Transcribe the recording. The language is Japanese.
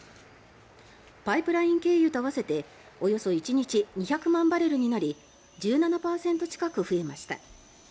パイプライン経由と合わせておよそ１日２００万バレルになり１７％近く増えました。